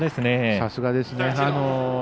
さすがですね。